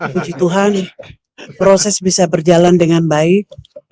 puji tuhan proses bisa berjalan dengan baik